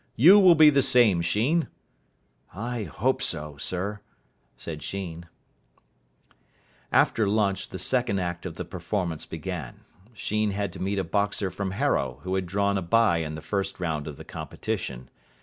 You will be the same, Sheen." "I hope so, sir," said Sheen. After lunch the second act of the performance began. Sheen had to meet a boxer from Harrow who had drawn a bye in the first round of the competition.